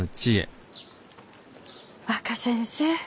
若先生